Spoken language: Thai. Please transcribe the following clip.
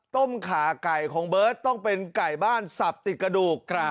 ขาไก่ของเบิร์ตต้องเป็นไก่บ้านสับติดกระดูก